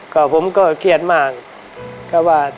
ก็ผมก็เคียดมาก